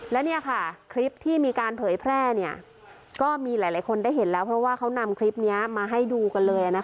และนี่ค่ะคลิปที่มีการเผยแพร่ก็มีหลายคนได้เห็นแล้วเพราะว่าเขานำคลิปนี้มาให้ดูกันเลย